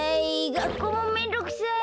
がっこうもめんどくさい！